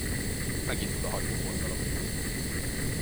Megindul a hajóforgalom.